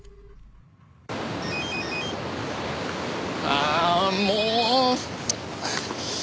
あもう！